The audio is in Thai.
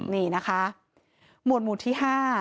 นี่นะคะหมวดที่๕